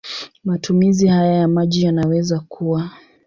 Matumizi hayo ya maji yanaweza kuwa